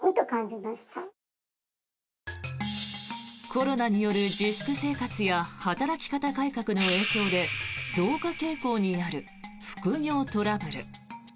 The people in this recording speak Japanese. コロナによる自粛生活や働き方改革の影響で増加傾向にある副業トラブル。